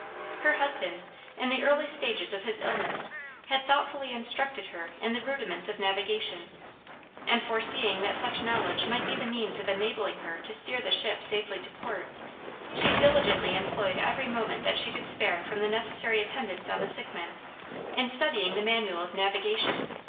Her husband, in the early stages of his illness, had thoughtfully instructed her in the rudiments of navigation, and foreseeing that such knowledge might be the means of enabling her to steer the ship safely to port, she diligently employed every moment that she could spare from the necessary attendance on the sick men, in studying the manual of navigation.